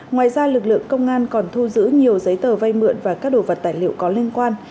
ngoài ra lực lượng công an còn thu giữ nhiều giấy tờ vay mượn và các đồ vật tài liệu có liên quan